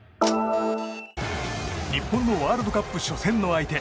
日本のワールドカップ初戦の相手